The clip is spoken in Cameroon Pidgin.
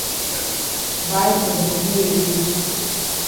Buy for de moni wey e dey.